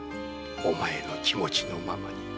お前の気持ちのままに。